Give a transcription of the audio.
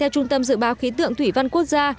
theo trung tâm dự báo khí tượng thủy văn quốc gia